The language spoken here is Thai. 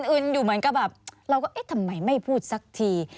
อื่นอยู่เหมือนกับแบบเราก็เอ๊ะทำไมไม่พูดสักที